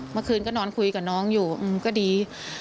เมื่อคืนก็นอนคุยกับน้องอยู่ก็ดี